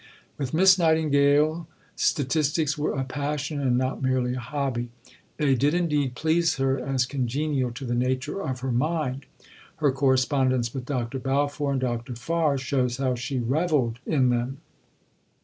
With Miss Nightingale statistics were a passion and not merely a hobby. They did, indeed, please her, as congenial to the nature of her mind. Her correspondence with Dr. Balfour and Dr. Farr shows how she revelled in them.